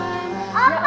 om ma tetap berasa